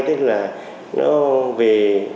tức là nó vì